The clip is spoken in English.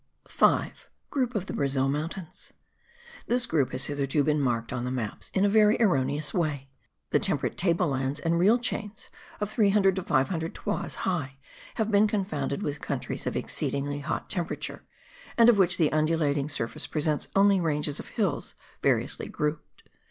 5. GROUP OF THE BRAZIL MOUNTAINS. This group has hitherto been marked on the maps in a very erroneous way. The temperate table lands and real chains of 300 to 500 toises high have been confounded with countries of exceedingly hot temperature, and of which the undulating surface presents only ranges of hills variously grouped.